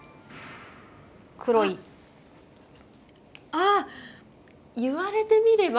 あ言われてみれば。